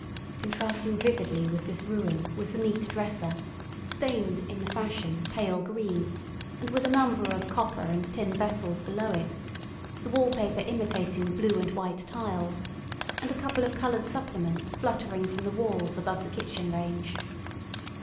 Contrasting vividly with this ruin was the neat dresser, stained in the fashion, pale green, and with a number of copper and tin vessels below it, the wallpaper imitating blue and white tiles, and a couple of coloured supplements fluttering from the walls above the kitchen range.